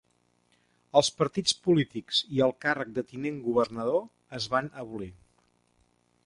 Els partits polítics i el càrrec de tinent governador es van abolir.